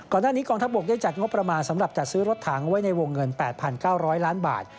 ก่อนหน้านี้กองทัพบกได้จัดงบประมาณสำหรับจัดซื้อรถถังไว้ในวงเงิน๘๙๐๐ล้านบาท